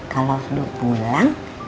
kalau sudah pulang